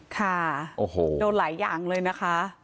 ค่ะโดนหลายอย่างเลยนะคะ